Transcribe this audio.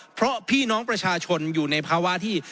เพราะพี่น้องประชาชนอยู่ในภาวะที่